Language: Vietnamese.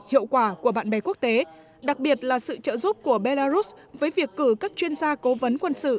hiệu quả của bạn bè quốc tế đặc biệt là sự trợ giúp của belarus với việc cử các chuyên gia cố vấn quân sự